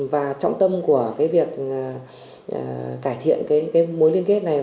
và trọng tâm của cái việc cải thiện cái mối liên kết này